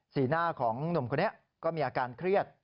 หน้าของหนุ่มคนนี้ก็มีอาการเครียด